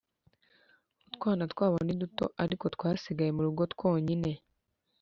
Utwana twabo ni duto Ariko twasigaye mu rugo twonyine.